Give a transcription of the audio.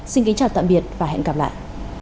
xin kính chào tạm biệt và hẹn gặp lại